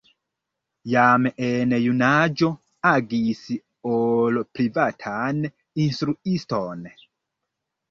Jam en junaĝo agis ol privatan instruiston.